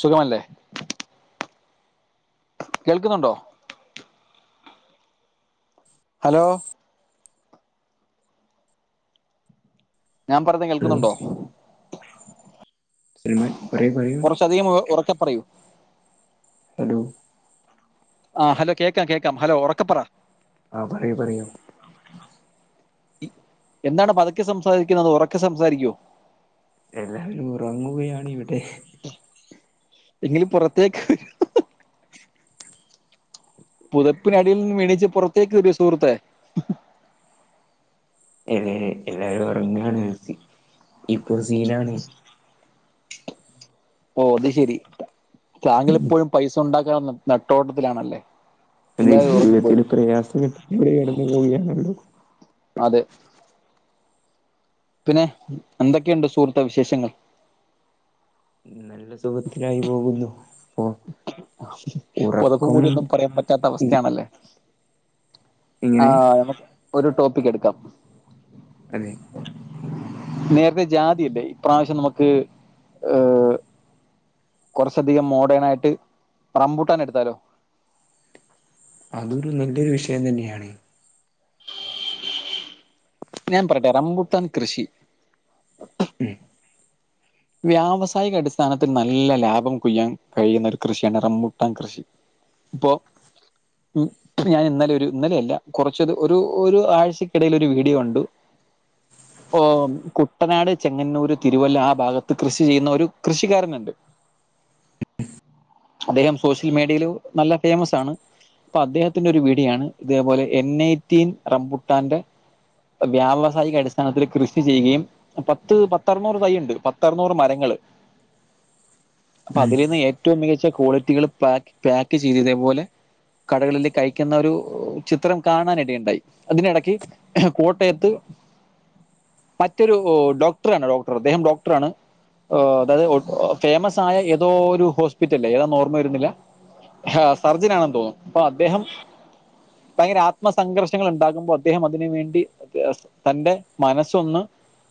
സുഖമല്ലേ? കേൾക്കുന്നുണ്ടോ? ഹലോ ഞാൻ പറയുന്ന ഹലോ കേൾക്കുന്നുണ്ടോ? [unintelligible] പറയൂ പറയൂ കൊറച്ചധികം ഉറക്കെ പറയൂ.. ഹലോ ആഹ് ഹലോ കേക്കാം കേക്കാം ഹലോ ഉറക്കപ്പറ ആഹ് പറയൂ പറയൂ [inaudible] എന്താണ് പതുക്കെ സംസാരിക്കുന്നത് ഒറക്കെ സംസാരിക്കു എല്ലാവരും ഉറങ്ങുകയാണ് ഇവിടെ എങ്കിൽ പുറത്തേക്ക് പുതപ്പിനടിയിൽ നിന്നും എണീച്ച് പുറത്തേക്ക് വരു സുഹൃത്തേ അതെ എല്ലാരും ഒറങ്ങാണ് ഇപ്പൊ സീനാണ്. ഓഹ് അത് ശെരി താങ്കളിപ്പോഴും പൈസ ഉണ്ടാക്കാനുള്ള നെട്ടോട്ടത്തിലാണല്ലേ? അത് എല്ലാവരും ഉറങ്ങുമ്പോൾ ജീവിതത്തിന് പ്രയാസം ഘട്ടത്തിലൂടെ കടന്നു പോവുകയാണല്ലോ അതെ പിന്നെ എന്തൊക്കെയുണ്ട് സുഹൃത്തെ വിശേഷങ്ങൾ നല്ല സുഖത്തിലായി പോവുന്നു പ്പൊ പുതപ്പു മൂടി ഒന്നും പറയാൻ പറ്റാത്ത ഇ- അവസ്ഥയാണല്ലേ ഇങ്ങനെ ആഹ് നമുക്ക് ഒരു ടോപ്പിക് എടുക്കാം അതെ നേരത്തെ ജാതിയല്ലേ ഇപ്രാവശ്യം നമുക്ക് ഏഹ് കുറച്ചധികം മോഡേൺ ആയിട്ട് റംബൂട്ടാൻ എടുത്താലോ? അതൊരു നല്ലൊരു വിഷയം തന്നെയാണ് ഞാൻ പറയട്ടെ റംബൂട്ടാൻ കൃഷി ഉം വ്യാവസായിക അടിസ്ഥാനത്തിൽ നല്ല ലാഭം കൊയ്യാൻ കഴിയുന്ന ഒരു കൃഷിയാണ് റംമ്പൂട്ടാൻ കൃഷി ഇപ്പൊ ഉം ഞാൻ ഇന്നലെ ഒരു ഇന്നലെയല്ല കുറച്ചത് ഒരു ഒരു ആഴ്ചക്കിടയിൽ ഒരു വീഡിയോ കണ്ടു കുട്ടനാട് ചെങ്ങന്നൂർ തിരുവല്ല ആ ഭാഗത്ത് കൃഷി ചെയ്യുന്ന ഒരു കൃഷിക്കാരനുണ്ട് അദ്ദേഹം സോഷ്യൽ മീഡിയയില് നല്ല ഫേമസ് ആണ് ഇപ്പൊ അദ്ദേഹത്തിന്റെ ഒരു വീഡിയോയാണ് ഇതേപോലെ എൻഎയ്റ്റീൻ റംബുട്ടാന്റെ വ്യാവസായിക അടിസ്ഥാനത്തിൽ കൃഷി ചെയ്യുകയും പത്ത് പത്തർനൂറ് തൈയുണ്ട് പത്തർനൂറ് മരങ്ങള് അപ്പൊ ഉം അതില് നിന്ന ഏറ്റവും മികച്ച ക്വാളിറ്റികള് പാക്ക് പാക്ക് ചെയ്ത് ഇതേ പോലെ കടകളിലേക്കയക്കുന്ന ഒരു ചിത്രം കാണാനിടയുണ്ടായി. അതിനിടക്ക് കോട്ടയത്ത് മറ്റൊരു ഡോക്ടറാണ് ഡോക്ടർ അദ്ദേഹം ഡോക് ട്റാണ്. ഓഹ് അതായത് ഫേമസ് ആയ ഏതോ ഒരു ഹോസ്പിറ്റൽല്ലേ ഏതാ എന്ന് ഓർമ വരുന്നില്ല ഹ സർജനാണെന്ന് തോന്നും അപ്പൊ അദ്ദേഹം ഭയങ്കര ആത്മസംഘർഷങ്ങളുണ്ടാക്കുമ്പോ അദ്ദേഹം അതിന് വേണ്ടി തന്റെ മനസ്സൊന്ന്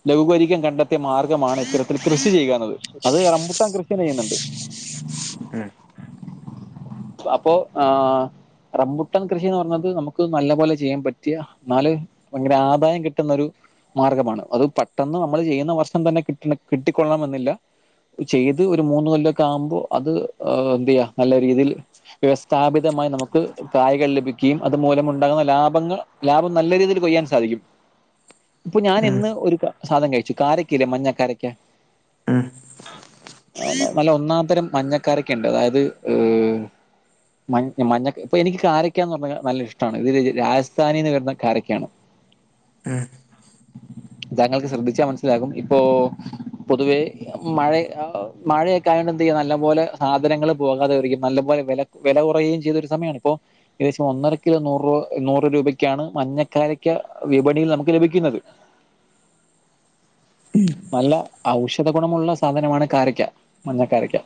ലഘൂകരിക്കാൻ കണ്ടെത്തിയ മാർ ഇത്തരത്തിൽ കൃഷി ചെയ്യുക എന്നത്. അത് റംമ്പുട്ടാൻ കൃഷിയെന്നെയ്യുന്നുണ്ട് ഉം അപ്പൊ ആഹ് റമ്പുട്ടൻ കൃഷിന്ന് പറഞ്ഞത് നമുക്ക് നല്ല പോലെ ചെയ്യാൻ പറ്റിയ എന്നാല് ഭയങ്കര ആദായം കിട്ടുന്നൊരു മാർഗമാണ്. അത് പെട്ടെന്ന് നമ്മൾ ചെയ്യുന്ന വർഷം തന്നെ കിട്ടണം കിട്ടിക്കൊൾണംമെന്നില്ല ചെയ്ത് ഒരു മൂന്ന് കൊല്ലൊക്കെ ആവുമ്പോ അത് എന്തെയ്യാ നല്ല രീതിയില് വ്യവസ്ഥാപിതമായി നമുക്ക് കായികൾ ലഭിക്കുകയും അതുമൂലം ഉണ്ടാകുന്ന ലാഭങ്ങൾ ലാഭം നല്ല രീതിയിൽ കൊയ്യാൻ സാധിക്കും. ഇപ്പൊ ഞാൻ ഉം ഇന്ന് ഒരു സാധനം കഴിച്ചു കാരക്കല്ലേ മഞ്ഞ കാരക്ക ഉം നല്ല ഒന്നാം തരം മഞ്ഞക്കാരക്കെണ്ട് അതായത് മൻ മഞ്ഞ ഇപ്പൊ എനിക്ക് കാരക്കാന്ന് പറഞ്ഞാൽ നല്ല ഇഷ്ടാണ്. ഇത് രാജസ്ഥാനിന്ന് വരുന്ന കാരക്കയാണ്. ഉം താങ്കൾക്ക് ശ്രദ്ധിച്ചാ മനസ്സിലാകും ഇപ്പൊ പൊതുവേ മഴ മഴയൊക്കെ ആയോണ്ട് എന്ത് ചെയ്യാ നല്ല പോലെ സാധനങ്ങൾ പോകാതെ വരിക്കും നല്ല പോലെ വെല വെല കൊറയുകയും ചെയ്തൊരു സമയാണ് ഇപ്പോ ഏകദേശം ഒന്നര കിലോ നൂറ് നൂറ് രൂപയ്ക്കാണ് മഞ്ഞക്കാരക്ക വിപണിയിൽ നമുക്ക് ലഭിക്കുന്നത്. ഉം നല്ല ഔഷധ ഗുണമുള്ള സാധനമാണ് കാരയ്ക്ക മഞ്ഞക്കാരക്ക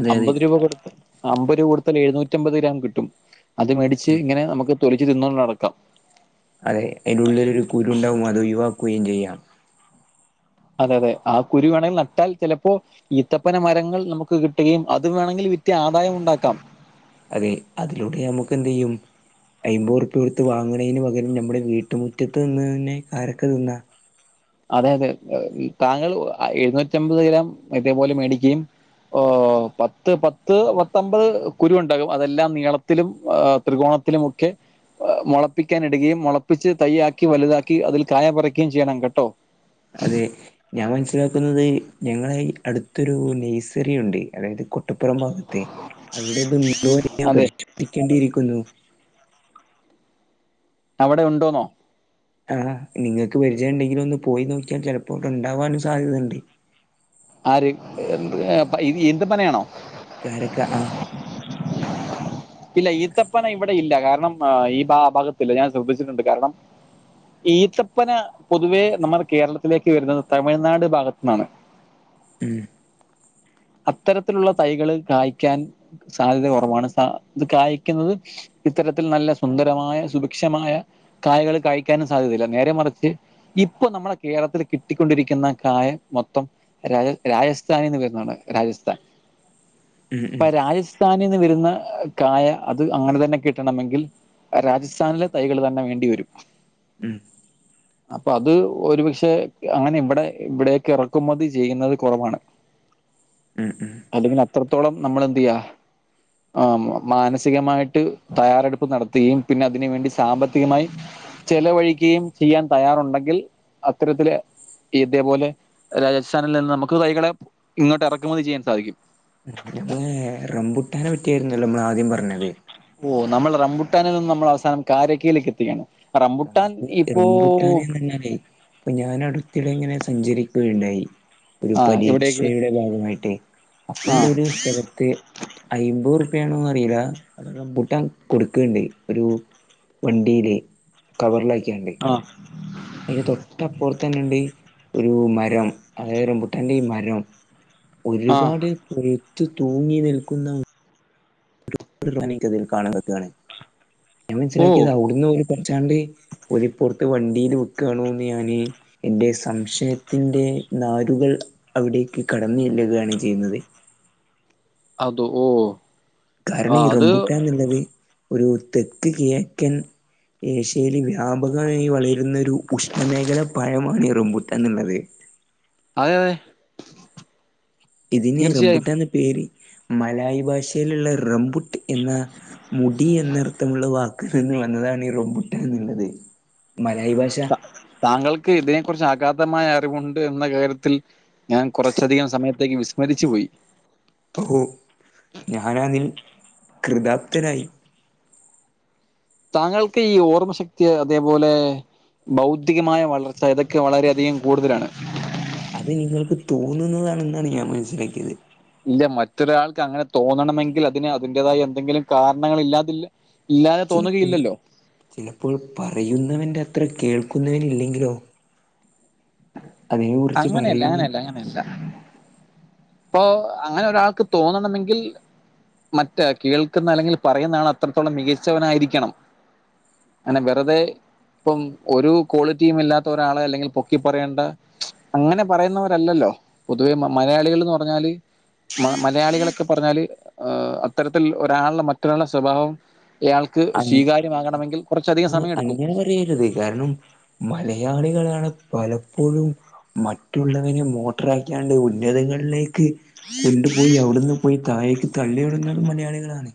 അതെ അതെ അമ്പത് രൂപ കൊടുത്ത അമ്പത് രൂപ കൊടുതാൽ എഴുന്നൂറ്റി അമ്പത് ഗ്രാം കിട്ടും അത് മേടിച്ച് ഉം ഇങ്ങനെ നമുക്ക് തൊലിച്ച് തിന്നുകൊണ്ട് നടക്കാം. അതെ അയിന്റെ ഉള്ളിലൊരു കുരു ഉണ്ടാവും അത് ഒഴിവാക്കുകയും ചെയ്യാം. അതെ അതെ ആ കുരു വേണെങ്കി നട്ടാൽ ചെലപ്പോ ഈത്തപ്പന മരങ്ങൾ നമുക്ക് കിട്ടുകയും അത് വേണമെങ്കിൽ വിറ്റ് ആദായം ഉണ്ടാക്കാം. അതെ അതിലൂടെ നമുക്ക് എന്തെയ്യും. അയ്മ്പർപ്യ കൊടുത്ത് വാങ്ങ്ണീന്ന് പകരം നമ്മുടെ വീട്ടുറ്റത്ത് നിന്ന് തന്നെ കാരക്ക തിന്നാ. അതെ അതെ താങ്കൾ എഴുന്നൂറ്റി അമ്പത് ഗ്രാം ഇതേപോലെ മേടിക്കുകയും. ഓ പത്ത് പത്ത് പത്തമ്പത് കുരു ഉണ്ടാകും അതെല്ലാം നീളത്തിലും. ത്രികോണത്തിലുമൊക്കെ. മുളപ്പിക്കാനിടുകയും മുളപ്പിച്ച് തയ്യാക്കി വലുതാക്കി അതിൽ കായ പറിക്കുകയും ചെയ്യണം കേട്ടോ. അതെ ഞാൻ മനസ്സിലാക്കുന്നത്. ഞങ്ങളെ അടുത്തൊരു നഴ്സറി ഉണ്ട് അതായത് കൊ ട്ടുപ്പുറം ഭാഗത്തെ അവിടെതുണ്ടോ ഞാൻ അതെ പരിശോധിക്കേണ്ടിയിരിക്കുന്നു. അവിടെ ഉണ്ടോന്നോ. ആഹ് നിങ്ങൾക്ക് പരിചയംണ്ടെങ്കില ഒന്ന് പോയി നോക്കിയാൽ ചിലപ്പോട്ട് ഉണ്ടാാവാനും സാധ്യത ഉണ്ട്. ആര് എ എന്ത് ഇത് ഈന്തപനയാണോ. കാരക്ക ആഹ് ഇല്ല ഈത്തപ്പന ഇവിടെ ഇല്ല കാരണം ഈ ഭാഗത്തില്ല ഞാൻ ശ്രദ്ധിച്ചിട്ടുണ്ട് കാരണം. ഈത്തപ്പന പൊതുവേ നമ്മുടെ കേരളത്തിലേക്ക് വരുന്നത് തമിഴ്നാട് ഭാഗത്ത് നിന്നാണ്. ഉം അത്തരത്തിലുള്ള തൈകള് കായ്ക്കാൻ സാധ്യത കുറവാണ് സ ഇത് കായ്ക്കുന്നത്. ഇത്തരത്തിൽ നല്ല സുന്ദരമായ സുഭിക്ഷമായ കായകള് കഴിക്കാനും സാധ്യതയില്ല നേരെ മറിച്ച്. ഇപ്പൊ നമ്മള കേരളത്തിൽ കിട്ടിക്കൊണ്ടിരിക്കുന്ന കായ മൊത്തം. രാജ രാജസ്ഥാനീന്ന് വരുന്നതാണ് രാജസ്ഥാൻ ഉം അപ്പ ഉം രാജസ് സ്ഥാനിൽ നിന്ന് വരുന്ന കായ അത് അങ്ങനെ തന്നെ കിട്ടണമെങ്കിൽ. രാജസ്ഥാനിലെ തൈകള് തന്നെ വേണ്ടിിവരും. ഉം അപ്പൊ അത് ഒരുപക്ഷെ അങ്ങനെ ഇവിടെ ഇവിടെക്കെ ഇറക്കുമതി ചെയ്യുന്നത് കുറവാണ്. ഉം ഉം അത് പിന്നെ അത്രത്തോളം നമ്മള് എന്ത് യാ ആ മാനസികമായിട്ട്. തയ്യാറെടുപ്പ് നടത്തുകയും പിന്നെ അതിന് വേണ്ടി സാമ്പത്തികമായി. ചെലവഴിക്കുകയും ചെയ്യാൻ തയ്യാറുണ്ടെങ്കിൽ അത്തരത്തില്. ഇതേപോലെ രാജസ്ഥാനിൽ നിന്ന് നമുക്ക് തൈകളെ ഇങ്ങോട്ട് ഇറക്കുമതി ചെയ്യാൻ സാധിക്കും. ഞമ്മള്റെബുട്ടാനെ പറ്റിയായിരുന്നല്ലോ നമ്മൾ ആദ്യം പറഞ്ഞത്. ഓ നമ്മൾ റബുട്ടാനിൽ നിന്നും നമ്മൾ അവസാനം കാരക്കയിലേക്ക് എത്തികയാണ്. കാപ്പ റംപുട്ടാനെന്ന് പറഞ്ഞാലേ ഇപ്പൊ ഞാൻ അടുത്തിടെ ഇങ്ങനെ സഞ്ചരിക്കുകയുണ്ടായി. ഒരു ആ എവിടേക്ക് പരീക്ഷയുടെ ഭാഗമായിട്ട് ആ അപ്പണ്ട് ഒരു സ്ഥലത്ത്. അമ്പത് റുപയാണോന്ന് അറിയില്ല റംമ്പൂട്ടാൻ കൊടുക്കുകയുണ്ടായി ഒരു. വണ്ടിയിലെ. കവറിലാക്കിയാണ്ട് ആ അതിന് തൊട്ടപ്പുറത്ത തന്നെുണ്ട് ഒരു മരം അതായത് റബുട്ടാന്റെ മരം. ആ ഒരുപാട് പൊഴുത്തു തൂങ്ങി നിൽക്കുന്ന എനിക്കതിൽ കാണാൻ പറ്റുവാണ് ഞാൻ ഓ മനസ്സിലാക്കിയത് അവിടുന്ന് ഒരു പറ്റാണ്ട്. ഒരിപ്പുറത്ത് വണ്ടിൽ വിക്കുവാണോന്ന് ഞാാന്. എന്റെ സംശയത്തിന്റെ നാരുകൾ അവിടേക്ക് കടന്നു ചെല്ലുകയാണ് ചെയ്യുന്നത്. അത് ഓ ആ കാരണം ഈ അത് റംബുട്ടാൻ അതെ എന്നുള്ളത് ഒരു തെക്ക് കിഴക്കൻ ഏഷ്യയിൽ വ്യാപകമായി വളരുന്ന ഒരു ഉഷ്ണമേഖല പഴമാണ് റംബുട്ടാൻ എന്നുള്ളത്. അതെ ഇതിന് തീർച്ചയായും റംബുട്ടാൻ എന്ന പേര് മലായി ഭാഷയിലുള്ള റംബുട്ട് എന്ന. മുടി എന്നർത്ഥമുള്ള വാക്കിൽ നിന്ന് വന്നതാണ് ഈറംബുട്ടാൻ എന്നുള്ളത്. മലായ് ഭാഷ താങ്കൾക്ക് ഇതിനെ കുറിച്ച് അഗാധമായ അറിവുണ്ട് എന്ന കാര്യത്തിൽ ഞാൻ കുറച്ചധികം സമയത്തേക്ക് വിസ്മരിച്ചു പോയി ഓഹ് ഞാനതിൽ കൃദാർദ്ധനായി താങ്കൾക്ക് ഈ ഓർമ്മ ശക്തി അതേപോലെ ഭൗതികമായ വളർച്ച അതൊക്കെ വളരെയധികം കൂടുതലാണ് അത് നിങ്ങൾക്ക് തോന്നുന്നതാണെന്നാണ് ഞാൻ മനസ്സിലാക്കിയത് ഇല്ല മറ്റൊരാൾക്ക് അങ്ങനെ തോന്നണമെങ്കിൽ അതിന് അതിന്റതായ എന്തെങ്കിലും കാരണങ്ങൾ ഇല്ലാതില്ല ഇല്ലാതെ ചിലപ്പോ തോന്നുകയില്ലല്ലോ ചിലപ്പോൾ പറയുന്നവന്റെ അത്ര കേൾക്കുന്നവൻ ഇല്ലെങ്കിലോ കുറിച്ച് അങ്ങനെയല്ല പറയും അങ്ങനെയല്ല അങ്ങനെയല്ല ഇപ്പൊ അങ്ങനെ ഒരാൾക്ക് തോന്നണമെങ്കിൽ മറ്റേ കേൾക്കുന്ന അല്ലെങ്കിൽ പറയുന്ന ആൾ അത്രത്തോളം മികച്ചവനായിരിക്കണം അങ്ങനെ വെറുതെ ഇപ്പം ഒരു ക്വാളിറ്റിയും ഇല്ലാത്ത ഒരാള അല്ലെങ്കിൽ പൊക്കി പറയേണ്ട അങ്ങനെ പറയുന്നവരല്ലല്ലോ പൊതുവേ മ മലയാളികൾന്ന് പറഞ്ഞാല് മ മലയാളികളൊക്കെ പറഞ്ഞാല് ഏഹ് അത്തരത്തിൽ ഒരാളുടെ മറ്റൊരാളുടെ സ്വഭാവം ഇയാൾക്ക് ക്ക് അങ് സ്വീകാര്യമാകണമെങ്കിൽ കുറച്ചധികം അങ് സമയമെടുക്കും അങ്ങനെ പറയരുത് കാരണം മലയാളികളാണ് പലപ്പോഴും മറ്റുള്ളവനെ മോട്ടറാക്കിയാണ്ട് ഉന്നതകളിലേക്ക് കൊണ്ടു പോയി അവിടുന്ന് പോയി താഴേക്ക് തള്ളിവിടുന്നത് മലയാളികളാണേ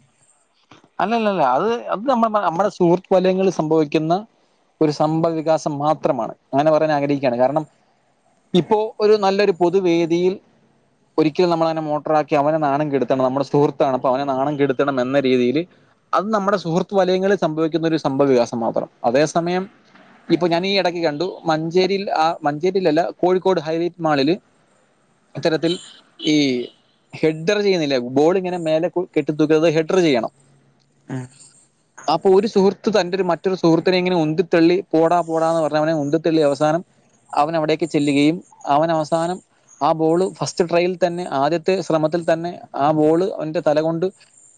അല്ലല്ലല്ല അത് അത് നമ്മ നമ്മടെ സുഹൃത്ത് വലയങ്ങളിൽ സംഭവിക്കുന്ന ഒരു സംഭവ വികാസം മാത്രമാണ് അങ്ങനെ പറയാൻ ആഗ്രഹിക്കയാണ് കാരണം ഇപ്പോ ഒരു നല്ലൊരു പൊതുവേദിയിൽ ഒരിക്കലും നമ്മളവനെ മോട്ടറാക്കി അവനെ നാണം കെടുത്തണം നമ്മുടെ സുഹൃത്താണ് അപ്പ അവനെ നാണം കെടുത്തണം എന്ന രീതിയിലെ അത് നമ്മുടെ സുഹൃത്ത് വലയങ്ങളിൽ സംഭവിക്കുന്നൊരു സംഭവകാസം മാത്രം അതേ സമയം ഇപ്പ ഞാൻ ഈ ഇടക്ക് കണ്ടു മഞ്ചേരിയിൽ ആ മഞ്ചേരിയിൽ അല്ല കോഴിക്കോട് ഹൈലൈറ്റ് മാളില് അത്തരത്തിൽ ഈ ഹെഡ്ഡറു ചെയ്യുന്നില്ലേ ബോൾ ഇങ്ങനെ മേലെ കെട്ടിത്തൂക്കുന്നത് ഹെഡ്ഡറു ചെയ്യണം ഉം ആ [unintelligible] അപ്പൊ ഒരു സുഹൃത്ത് തന്റൊരു മറ്റൊരു സുഹൃത്തിനെ ഇങ്ങനെ ഉന്തിത്തള്ളി പോടാ പോടാ എന്ന് പറഞ്ഞ് ഉന്തിത്തള്ളി അവസാനം അവൻ അവിടേക്ക് ചെല്ലുകയും അവൻ അവസാനം ആഹ് ബോള് ഫസ്റ്റ് ട്രൈയിൽ തന്നെ ആദ്യത്തെ ശ്രമത്തിൽ തന്നെ ആഹ് ബോള് അവന്റെ തല കൊണ്ട്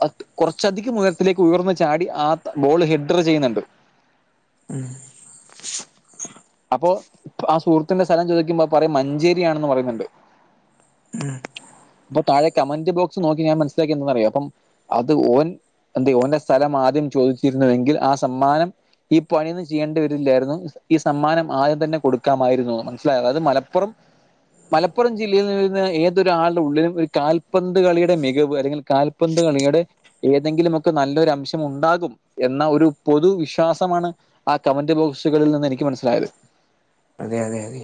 അ [unintelligible] കുറച്ചധികം ഉയരത്തിലേക്ക് ഉയർന്നു ചാടി ആത് ബോൾ ഹെഡ്ഡറു ചെയ്യുന്നുണ്ട് ആ [inaudible] അപ്പൊ ആ സുഹൃത്തിന്റെ സ്ഥലം ചോദിക്കുമ്പോ പറയും മഞ്ചേരിയാണെന്ന് പറെയുന്നുണ്ട് ആ അപ്പ താഴെ കമന്റ് ബോക്സ് നോക്കി ഞാൻ മനസ്സിലാക്കി എന്തെന്നറിയാം അപ്പം അത് ഓൻ എന്തെ ഓന്റെ സ്ഥലം ആദ്യം ചോദിച്ചിരുന്നുവെങ്കിൽ ആ സമ്മാനം ഈ പണിയൊന്നും ചെയ്യേണ്ടി വരില്ലായിരുന്നു ഈ സമ്മാനം ആദ്യം തന്നെ കൊടുക്കാമായിരുന്നു മനസ്സിലായ അത് മലപ്പുറം മലപ്പുറം ജില്ലയിൽ നിന്ന് വരുന്ന ഏതൊരാളുടെ ഉള്ളിലും ഒരു കാൽപന്ത് കളിയുടെ മികവ് അല്ലെങ്കിൽ കാൽപന്ത് കളിയെടെ ഏതെങ്കിലുമൊക്കെ നല്ലൊരു അംശം ഉണ്ടാകും എന്ന ഒരു പൊതു വിശ്വാസമാണ് ആ കമന്റ് ബോക്സുകളിൽ നിന്ന് എനിയ്ക്ക് മനസ്സിലായത് അതെ അതെ അതെ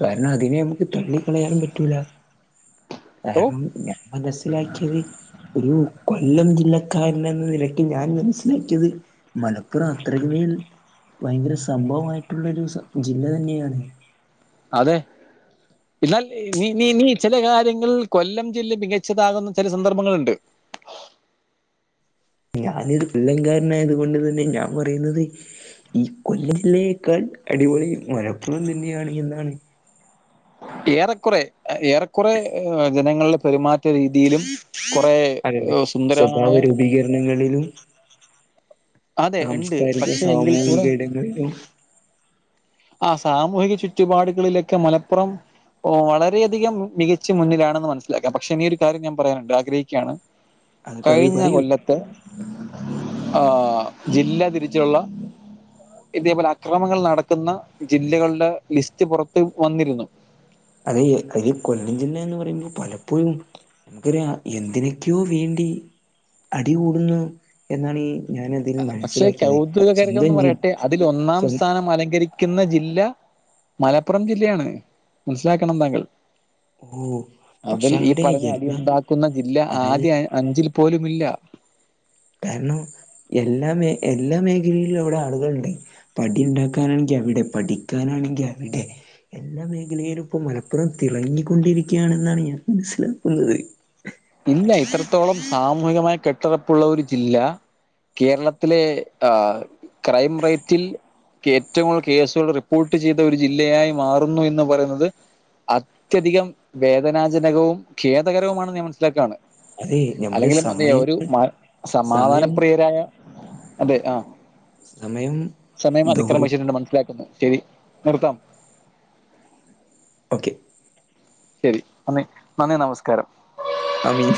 കാരണം അതിനെ നമുക്ക് തള്ളിക്കളയാനും പറ്റൂല ഓ കാരണം ഞാൻ മനസ്സിലാക്കിയത് ഒരു കൊല്ലം ജില്ലക്കാരനെന്ന നിലയ്ക്ക് ഞാൻ മനസ്സിലാക്കിയത് മലപ്പുറം അത്രയുമേൽ ഭയങ്കര സംഭവമായിട്ടുള്ളൊരു സ ജില്ല തന്നെയാണ് അതെ എന്നാൽ ഈ നീ നീ നീ ചെല കാര്യങ്ങൾ കൊല്ലം ജില്ല മികച്ചതാകുന്ന ചില സന്ദർഭങ്ങളുണ്ട് ഞാനൊരു പിള്ളങ്കാരനായത് കൊണ്ട് തന്നെ ഞാൻ പറയുന്നത് ഈ കൊല്ലത്തിനെക്കാൾ അടിപൊളി മലപ്പുറം തന്നെയാണ് എന്നാണ് ഏറെക്കുറെ ഏറെക്കുറെ ജനങ്ങളുടെ പെരുമാറ്റ രീതിയിലും കൊറെ അതെ സ്വഭാവ രൂപീകരണങ്ങളിലും അതെ ഉണ്ട് സാംസ്കാരിക പക്ഷെ എങ്കിൽ കൂടെ സാമൂഹിക ഇടങ്ങളിലും ആ സാമൂഹിക ചുറ്റുപാടുകളിലൊക്കെ മലപ്പുറം ഓ വളരെയധികം മികച്ച മുന്നിലാണെന്ന് മനസ്സിലാക്കാം പക്ഷെ ഇനിയൊരു കാര്യം ഞാൻ പറയാനുണ്ട് ആഗ്രഹിക്കാണ് അത് പറയൂ കഴിഞ്ഞ പറയൂ കൊല്ലത്തെ ആ ജില്ല തിരിച്ചൊള്ള ഇതേപോലെ അക്രമങ്ങൾ നടക്കുന്ന ജില്ലകൾടെ ലിസ്റ്റ് പൊറത്ത് വന്നിരുന്നു അതെ അതില് കൊല്ലം ജില്ല എന്ന് പറയുംമ്പോ പലപ്പോഴും നമുക്കൊരു എന്തിനക്കെയോ വേണ്ടി അടികൂടുന്നു എന്നാണീ പക്ഷെ കൗതുക കരകം എന്ന് ജി പറയട്ടെ അതിൽ ഒന്നാം സ്വ സ്ഥാനം അലങ്കരി ക്കുന്ന ജില്ല മലപ്പുറം ജില്ലയാണ് മനസ്സിലാക്കണം താങ്കൾ ഓ അതിൽ പക്ഷെ ഈ അവിടെ പറഞ്ഞ അടി എല്ലാം ഉണ്ടാക്കുന്ന ജില്ല അതായത് ആദ്യ അഞ്ചിൽ പോലുമില്ല കാരണം എല്ലാ മേ എല്ലാ മേഖലയിലും അവിടെ ആളുകളുണ്ടെ പ്പഠിയുണ്ടാക്കാനാണെങ്കി അവിടെ പഠിക്കാനാണെങ്കി അവിടെ എല്ലാ മേഖലയിലും ഇപ്പോ മലപ്പുറം തിളങ്ങിക്കൊണ്ടിരിക്കയാണെന്നാണ് ഞാൻ മനസ്സിലാക്കുന്നത് ഇല്ല ഇത്രത്തോളം സാമൂഹികമായി കെട്ടുറപ്പുള്ള ഒരു ജില്ല കേരളത്തിലെ ആ ക്രൈം റേറ്റിൽ കേറ്റവും കേസുള്ള റിപ്പോർട്ട് ചെയ്ത ഒരു ജില്ലയായി മാറുന്നു എന്ന് പറയുന്നത് അത്യധികം വേദനാജനകവും ഖേദകരവും ആണെന്ന് ഞാൻ മനസ്സിലാക്കാണ് അതെ നമ്മുടെ അല്ലെങ്കിലും എന്തെ ഒരു സമയങ്ങൾ മ സമയം സമാധാനപ്രിയരായ അതെ ആ സമയം സമയം ദൗർ അതിക്രമിച്ചിട്ടുണ്ട് മനസ്സിലാക്കുന്നു ശരി നിർത്താം ഓക്കെ ശരി നന്ദി നന്ദി നമസ്കാരം നന്ദീ